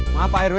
maaf pak rw